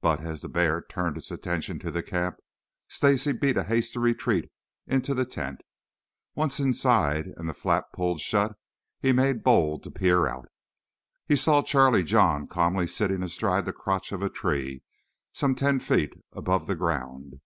But, as the bear turned its attention to the camp, Stacy beat a hasty retreat into the tent. Once inside and the flap pulled shut he made bold to peer out. He saw Charlie John calmly sitting astride the crotch of a tree some ten feet from the ground.